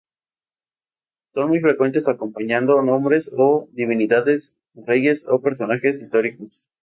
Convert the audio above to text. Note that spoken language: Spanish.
Son muy frecuentes acompañando nombres de divinidades, reyes o personajes históricos.